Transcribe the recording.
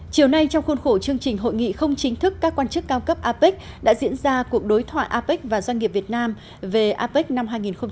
chiều nay trong khuôn khổ chương trình hội nghị không chính thức các quan chức cao cấp apec đã diễn ra cuộc đối thoại apec và doanh nghiệp việt nam về apec năm hai nghìn một mươi chín